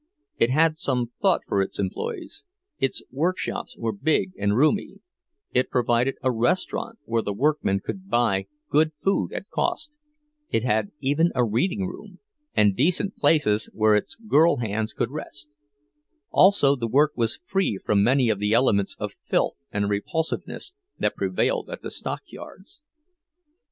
It had some thought for its employees; its workshops were big and roomy, it provided a restaurant where the workmen could buy good food at cost, it had even a reading room, and decent places where its girl hands could rest; also the work was free from many of the elements of filth and repulsiveness that prevailed at the stockyards.